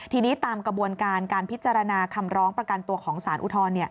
ทีนี้ตามกระบวนการการพิจารณาคำร้องประกันตัวของสารอุทธรณ์